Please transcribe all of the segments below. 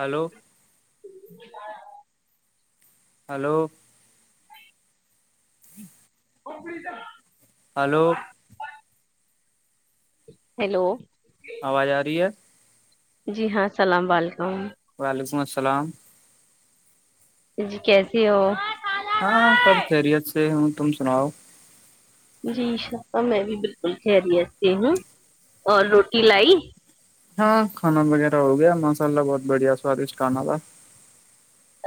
hello جی hello جی freeze hello hello آواز آ رہی ہے جی ہاں السلام و علیکم وعلیکم السلام جی کیسی ہو ہاں سب خیریت سے ہوں تم سناؤ جی شفا میں بھی بالکل خیریت سے ہوں اور روٹی لائی ہاں کھانا وغیرہ ہو گیا مسالا بہت بڑھیا سوادشٹ کھانا تھا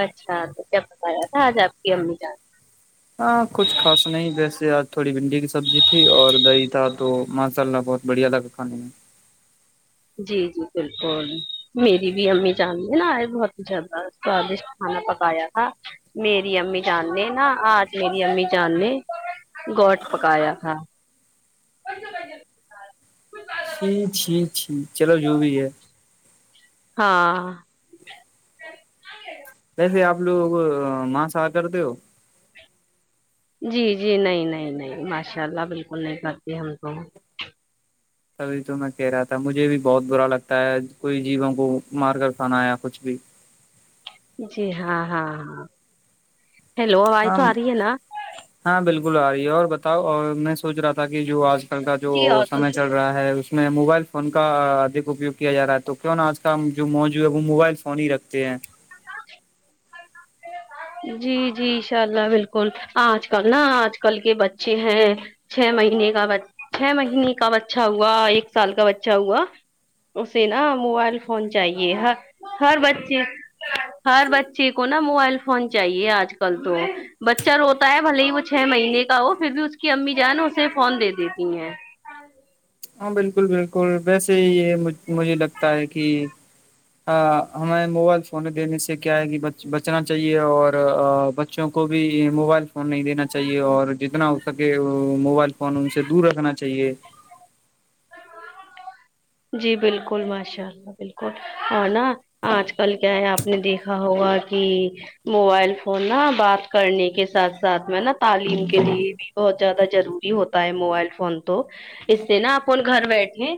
اچھا بہ بتایا تھا آج آپ کی امی جان ہاں کچھ خا نہیں ویسے آج تھوڑی بھنڈی کی سبزی تھی اور دہی تھا تو ماشاء اللہ بہت بڑیا الگ کھانے ہیں جی جی بالکل میری بھی امی جاننی ہیں نا یہ بہت زیادہ سوادشٹ کھانا پکایا تھا میری امی جاننے نا آج میری امی جاننے گوٹ پکایا تھا چھی چھی چھییک چلو جو بھی ہے ہاں ویسے آپ لوگ ماںساہ کرتے ہو جی جی نہیں نہیں نہیں ماشاء اللہ بالکل نہیں کرتی ہم تو سبھی تو میں کہہ رہا تھا مجھے بھی بہت برا لگتا ہے کوئی جیووں کو مار کر کانا یا کچھ بھی جی ہاں ہاں ہاں ہیلو آواز تو ہاں آ رہی ہے نا ہاں بالکل آ رہی ہے اور بتاؤ اور میں سوچ رہا تھا کہ جو آج کل کا جو جی اور سمے تو چڑھ رہا رہا ہے اس میں موبائل فون کا ادک اپیوگ کیا جا رہا ہے تو کیوں آج کا جو موجو ہے وہ موبائل سے فانی رکھتے ہیں جی جی ان شاء اللہ بالکل آج کل نا آج کل کے بچے ہیں چھ مہینے کا چھ مہینے کا بچہ ہوا ایک سال کا بچہ ہوا اسے نا موبائل فون چاہیے ہ ہر بچے ہر بچے کو نا موبائل فون چاہیے آج کل تو بچہ روتا ہے بھلے ہی وہ چھ مہینے کا ہو پھر بھی اس کی امی جو ہے نا اسے فون د دیتی ہیں ہاں بالکل بالکل ویسے ہی یہ مجھے لگتا ہے کہ ہمیں موبائل فون دینے سے کیا ہے کہ بچنا چاہیے اور بچوں کو بھی موبائل فون نہیں دینا چاہیے اور جتنا ہو سکے موبائل کوان ان سے دور رکھنا چاہیے جی بالکل ماشاء اللہ بالکل اور نا آج کل کیا ہے آپ نے دیکھا ہوگا کہ موبائل فون نا بات کرنے کے ساتھ ساتھ میں نا تعلیم کے لیے بھی بہت زیادہ ضروری ہوتا ہے موبائل فون تو اس سے نا اپن گھر بیٹھے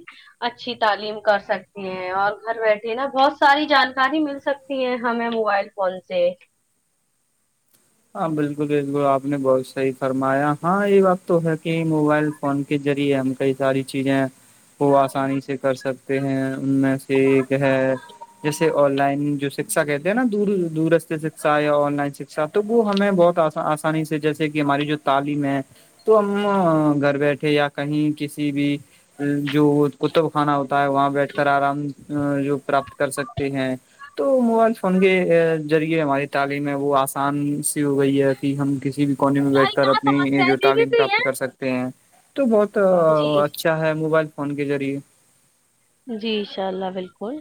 اچھی تعلیم کر سکتی ہیں اور گھر بیٹھے نا بہت ساری جانکاری مل سکتی ہمیں موبائل فون سے ہاں بالکل بالکل آپ نے بہت صحیح فرمایا ہاں یہ بات تو ہے کہ موبائل فون کے ذریعے ہم کئی ساری چیزیں وہ آسانی سے کر سکتے ہیں ان میں سے ایک ہے جیسے آن لائن جو شکشا کہتے ہیں نا دور دور شکشا یا آن لائن شکا تو وہ ہمیں بہت آسانی سے جیسے کہ ہماری جو تعلیم ہے تو ہم گھر بیٹھے یا کہیں کسی بھی جو کتب خانا ہوتا ہے وہاں بیٹھ کر آرام جو پراپت کر سکتے ہیں تو موبائل فون کے ذریعے ہماری تعلیم ہے وہ آ آسان سی ہو گئی ہے کہ ہم کسی بھی کالونی میں بیٹھ ساری کر کہاں سمسیا اپنی ہے جو دیدی تعلیم تو پراپت یہ کر سکتے ہیں تو بہت جی اچھا ہے موبائل فون کے ذریعے جی انشاء اللہ بالکل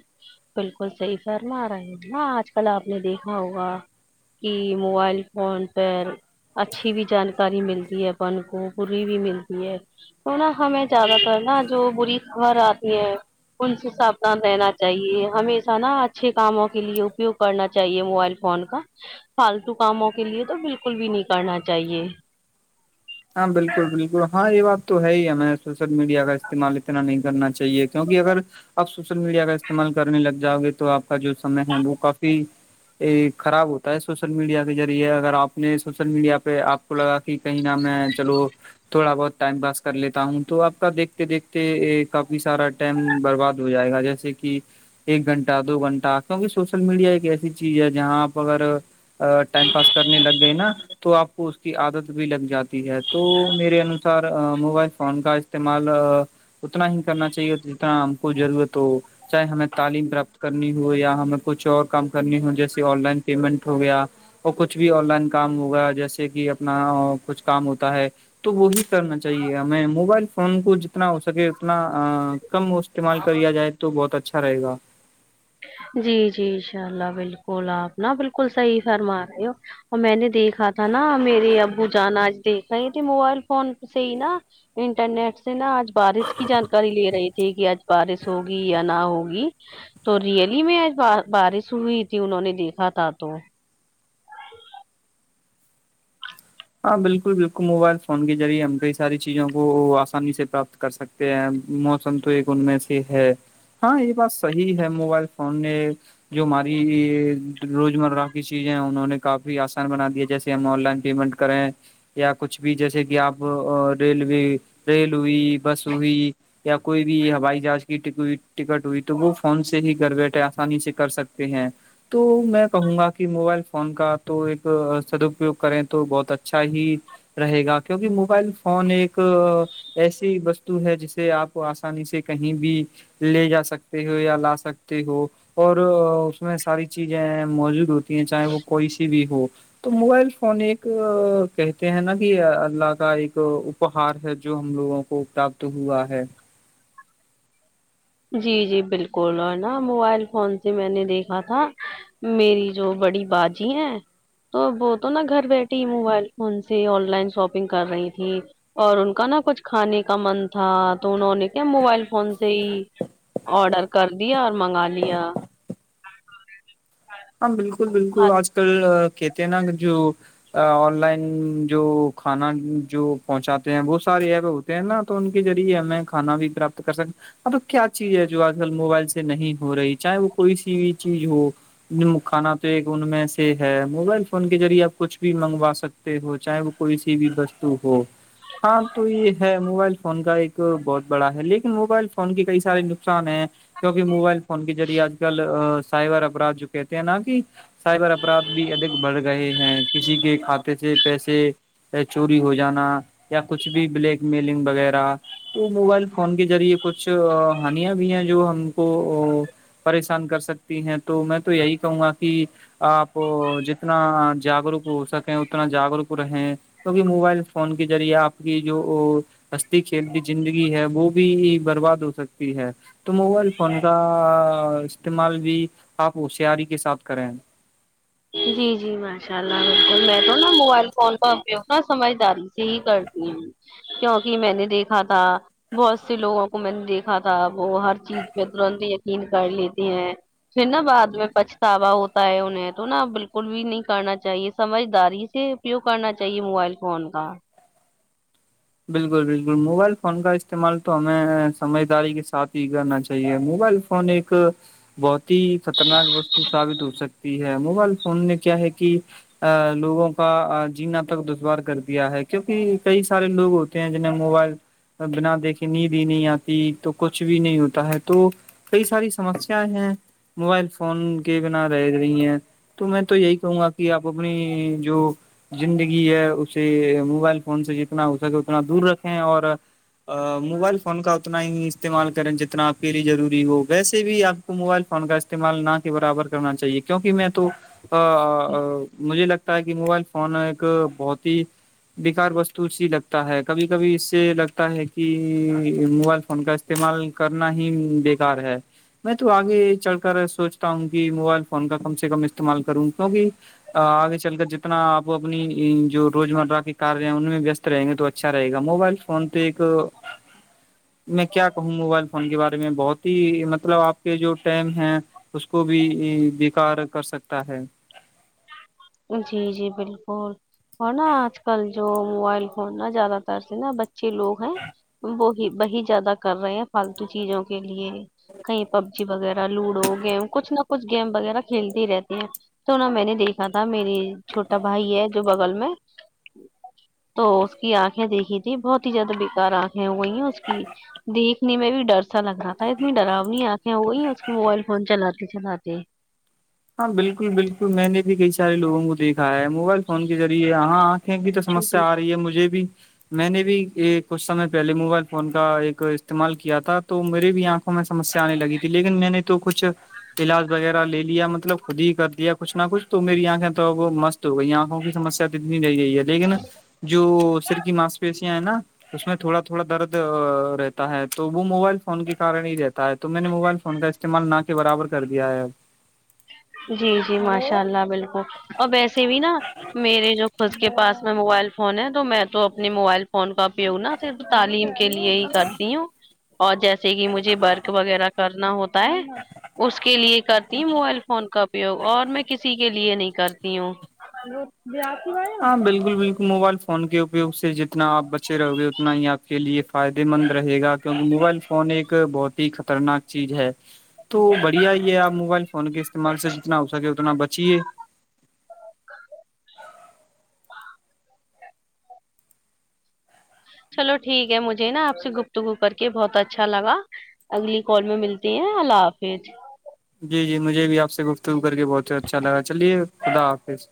بالکل صحیح فرما آ رہا ہ نا آج کل آپ نے دیکھا ہوگا کہ موبائل فون پر اچھی بھی جانکاری ملتی ہے اپن کو بری بھی ملتی ہے تو نا ہمیں زیادہ تر نا جو بری خبر آتی ہے ان سے ساودھان رہنا چاہیے ہمیشہ نا اچھے کاموں کے لیے اپیوگ کرنا چاہیے موبائل فون کا فالتو کاموں کے لیے تو بالکل بھی نہیں کرنا چاہیے ہاں بالکل بالکل ہاں یہ بات تو ہے ہی ہمیں سوشل میڈیا کا استعمال اتنا نہیں کرنا چاہیے کیونکہ اگر آپ سوشل میڈیا کا استعمال کرنے لگ جاؤ گے تو آپ کا جو سمے ہے وہ کافی خراب ہوتا ہے سوشل میڈیا کے ذریعے اگر آپ نے سوشل میڈیا پہ آپ کو لگا کہ کہیں میں چلو تھوڑا بہت ٹائم پاس کر لیتا ہوں تو آپ کا دیکھتے دیکھتے کافی سارا ٹائم برباد ہو جائے گا جیسے کہ ایک گھنٹہ دو گھنٹہ کیونکہ سوشل میڈیا ایک ایسی چیز ہے جہاں آپ اگر ٹائم پاس کرنے لگ گئے نا تو آپ کو اس کی عادت بھی لگ جاتی ہے تو میرے انوسار موبائل فون کا استعمال اتنا ہی کرنا چاہیے جتنا ہم کو ضرورت ہو چاہے ہمیں تعلیم پراپت کرنی ہو یا ہمیں کچھ اور کام کرنی ہو جیسے آن لائن پیمنٹ ہو گیا اور کچھ بھی آن لائن کام ہوگا جیسے کہ اپنا کچھ کام ہوتا ہے تو وہی کرنا چاہیے ہمیں موبائل فون کو جتنا ہو سکے اتنا کم استعمال کریا جائے تو بہت اچھا رہےا جی جی انشاء اللہ بالکل آپ نا بالکل صحیح فرما رہے ہو اور میں نے دیکھا تھا نا میرے ابو جانا آج دیکھا ہی تھے موبائل فون سے ہی نا انٹرنیٹ سے نا آج بارش کی جانکاری لے رہی تھی کہ آج بارش ہوگی یا نہ ہوگی تو ریئلی میں آ بارش ہوئی تھی انہوں نے دیکھا تھا تو ہ ہاں بالکل بالکل موبائل فون کے ریعے ہم کئی ساری چیزوں کو آسانی سے پراپت کر سکتے ہیں موسم تو ایک ان میں سے ہے ہاں یہ بات صحیح ہے موبائل فون نے جو ہماری روز مرہ کی چیزیں انہوں نے کافی آسان بنا دیا جیسے ہم آن لائن پیمنٹ کریں یا کچھ بھی جیسے کہ آپ ریلوے ریل ہوئی بس ہوئی یا کوئی بھی ہوائی جہاز کی ٹکٹ ہوئی تو وہ فون سے ہی گھر بیٹھے آسانی سے کر سکتے ہیں تو میں کہوں گا کہ موبائل فون کا تو ایک سدپیوگ کریں تو بہت اچھا ہی رہے گا کیونکہ موبائل فون ایک ایسی وستو ہے جسے آپ آسانی سے کہیں بھی لے جا سکتے ہو یا لا سکتے ہو اور اس میں ساری چیزیں موجود ہوتی چاہے وہ کوئی سے بھی ہو تو موبائل فون ایک کہتے ہیں نا کہ اللہ کا ایک اپہار ہے جو ہم لوگوں کو تو ہوا ہے جی جی بالکل اور نا موبائل فون سے میں نے دیکھا تھا میری جو بڑی بازی ہے تو وہ تو نا گھر بیٹھے ہی موبائل فون سے آن لائن شاپنگ کر رہی تھی اور ان کا نہا کچھ کھانے کا من تھا تو انہوں نے کیا موبائل فون سے ہی آڈر کر دیا اور منگا لیا ہاں بالکل بالکل آج کل کہتے ہیں نا جو آن لائن جو کھانا جو پہنچاتے ہیں بہت سارے ہے ب ا تو ان کے ذریعے میں کانا بھی پراپت کر سکتا اب کیا چیز ہے جو آج کل موبائل سے نہیں ہو رہی چاہے وہ کوئی سی بھی چیز ہو کھانا تو ایک ان میں سے ہے موبائل فون کے ذریعے آپ کچھ بھی منگوا سکتے ہو چاہے وہ کوئی سی بھی وستو ہو ہاں تو یہ ہے موبائل فون کا ایک بہت بڑا ہے لیکن موبائل فون کے کئی سارے نقصان ہیں کیونکہ موبائل فون کےذریعے آج کل سائبر اپراد جو کہتے ہیں نا کہ سائبر اپرادھ بھی ادک بڑھ رہے ہیں کسی کے کھاتے سے پیسے چوری ہو جانا یا کچھ بھی بلیک میلنگ وغیرہ تو موبائل فون کے ذریعے کچھ ہانیاں بھی ہیں جو ہم کو پریشان کر سکتی ہیں تو میں تو یہی کہوں گا کہ آپ جتنا جاگروک ہو سکیں اتنا جاگروک رہیں کیہ موبائل فون کے ذریعے آپ کی جو ہستی کھیلتی زندگی ہے وہ بھی برباد ہو سکتی ہے تو موبائل فون کا استعمال بھی آپ ہوشیاری کے ساتھ کریں ہیں جی جی ماشاء اللہ بالکل میں تو نا موبائل فون کا اپیوگ ن سمجھداری سے ہی کرتی ہوں کیوںکہ میں نے دیکھا تھا بہت سے لوگوں کو میں نے دیکھا تھا وہ ہر چیز پہ ترنت یقین کر لیتے ہیں پھر نا بعد میں پچھتاوا ہوتا ہے انہیں تو نا بالکل بھی نہیں کرنا چاہیے سمجھداری سے اپیوگ کرنا چاہیے موبائل فون کا بالکل بالکل موبائل فون کا استعمال تو ہمیں سمجھداری کے ساتھ ہی کرنا چاہیے موبائل فون اوریک بہت ہی خطرناک وستو ثابت ہو سکتی ہے موبائل فون نے کیا ہے کہ ا لوگوں کا جین تک دشوار کر دیا ہے کیونک کئی سارے لوگ ت جنے موبائل بنا دیکھے نیند ہی نہیں آتی تو کچھ بھی نہیں ہوتا ہے تو کئی ساری سمسیا ہیں موبائل فون کے بنا رہ رہی ہیں تو میں تو یہی کہوں گا کہ آپ اپنی جو زندگی ہے اسے موبائل فون سے جتنا ہو سکے اتنا دور رکھیں اور موبائل فون کا اتنا ہی استعمال کریں جتنا آپ کے لیے ضروری ہو ویسے بھی آپ موبائل فون کا استعمال نہ کے برابر کرنا چاہیے کیونکہ میں تو مجھے لگتا کہ موبائل فون ایک بہت ہی بیکار وست تلسی لگتا ہے کبھی کبھی اس سے لگتا ہے کہ موبائل فون کا استعمال کرنا ہی بیکار ہے میں تو آگے چڑ کر سوچتا ہوں کہ موبائل فون کا کم سے کم استعمال کروں کیوںکہ آگے چل کر جتنا آپ اپنی جو روز مرہ کے کاریہ ہیں ان میں وست رہیں گے تو اچھا رہے گا موبائل فون تو ایک میں کیا کہوں موبائل فون کے بارے میں بہت ہی مطلب آپ کے جو ٹم ہے اس کو بھی بیکار کر سکتا ہے جی جی بالکل اور نا آج کل جو موبائل فون نا زیادہ تر سے نا بچ اچھے لوگ ہیں وہی وہی زیادہ کر رہے ہیں فالتو چیزوں کے لیے کہیں پب جی وغیرہ لوڈو گیم کچھ نہ کچھ گیم وغیرہ کھیلتی ہی رہتی ہیں تو ن میں نے دیکھا تھا میری چھوٹا بھائی ہے جو بغل میں تو اس کی آنکھیں دیکھی تھی بہت ہی زیادہ بکار آنکھیں ہو گئی ہیں اس کی دیکھنے میں بھی ڈر سا لگ رہا تھا اتنی ڈرؤ نہیں آکھیں وہی اس کے موبائل فون چلاتے چلاتے ہاں بالکل بالکل میں نے بھی کئی سارےوگوں کو دیکھا ہے موبائل فون کے ذریعے یہاں کی تو چھوٹو سمسیا آ رہی ہے مجھے بھی میں نے بھی یہ کچھ سمے پہلے موبائل فون کا ایک استعمال کیا تھا تو میرے بھی یہاں میں سمسیا آنے لگی تھی لیکن میں نے تو کچھ علاج وغیرہ لیا مب مطلب خود ہی کر دیا کچھ نہ کچھ تو میری آنکھیں تو وہ مست ہو گئی آنکھوں کی سمسیا تو تنی رہ رہ ہے لیکن جو سر کی ماس پی نا اس میں تھوڑا تھوڑا درد رہتا ہے تو وہ موبائل فون کے کن ہی رہتا تو میں نے موبائل فون کا استعمال نہ کے برابر کر دیا ہے جی جی ماشاء اللہ بالکل اور ویسے بھی نا میرے جو خ کے پس میں موبائل فون ہے تو میں تو اپنے موبائل فون کا اپیوگ نا صرف تعلیم کے لیے ہی کرتی ہوں اور جیسے کہ مجھے بورک وغیرہ کرنا ہوتا ہے اس کے لیے کرتی ہ موائل فون کا اپیوگ اور میں کسی کے لیے نہیں کرتی ہوں ہاں بالکل بالکل موبائل فون کے اپیوگ سے جتنا آپ بچے رہو گے اتنا ہی آپ کے لیے فائدے مند رہے گا کیونکہ موبائل فون ایک بہت ہی خطرناک چیز ہے تو بڑھیا ہی ہے آپ موبائل فون کے استعمال سے جتنا ہو سکے اتنا بچیے چلو ٹھیک ہے مجھے نا آپ سے گپتگو کر کے بہت اچھا لگا اگلی کال میں ملتی ہیں اللہ حافظ جی جی مجھے بھی آپ سے گفتگو کر کے بہت اچھا لگا چلیے خدا حافظ